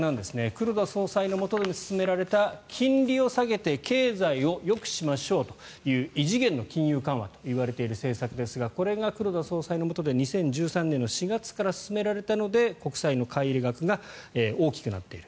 黒田総裁のもとで進められた金利を下げて経済をよくしましょうという異次元の金融緩和といわれている政策ですがこれが黒田総裁のもとで２０１３年の４月から進められたので国債の買い入れ額が大きくなっている。